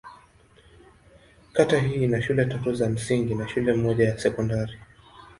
Kata hii ina shule tatu za msingi na shule moja ya sekondari.